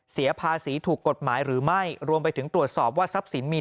เสียภาษีถูกกฎหมายหรือไม่รวมไปถึงตรวจสอบว่าทรัพย์สินมี